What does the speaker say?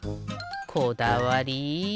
こだわり！